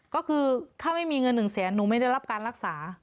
ก็คือถ้าไม่มีเงิน๑แสนหนูไม่ได้รับการรักษา